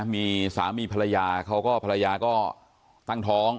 มีสามีภรรยาเขาก็ภรรยาก็ตั้งท้อง